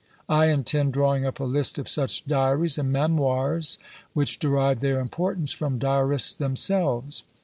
I intend drawing up a list of such diaries and memoirs, which derive their importance from diarists themselves.